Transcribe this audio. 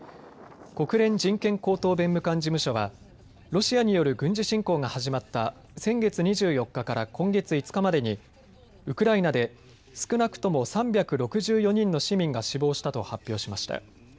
国連人権高等弁務官事務所はロシアによる軍事侵攻が始まった先月２４日から今月５日までにウクライナで少なくとも３６４人の市民が死亡したと発表しました。